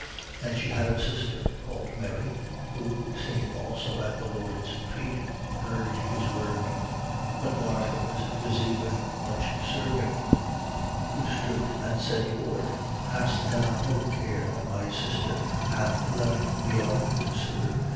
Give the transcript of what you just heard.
10:39. And she had a sister called Mary. who, sitting also at the Lord's feet, heard his word. 10:40. But Martha was busy about much serving. Who stood and said: Lord, hast thou no care that my sister hath left me alone to serve?